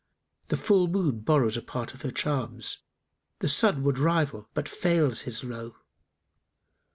The full moon borrows a part of her charms; * The sun would rival but fails his lowe.